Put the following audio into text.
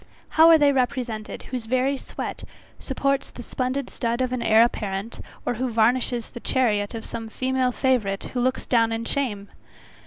How are they represented, whose very sweat supports the splendid stud of an heir apparent, or varnishes the chariot of some female favourite who looks down on shame?